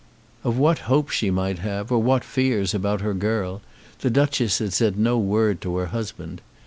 Of what hopes she might have, or what fears, about her girl, the Duchess had said no word to her husband.